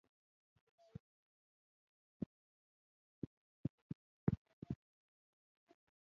طلایي ګنبدې نه تر وتلو وروسته یوه بله پوښتنه پیدا شوه.